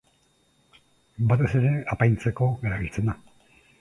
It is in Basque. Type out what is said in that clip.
Batez ere, apaintzeko erabiltzen da.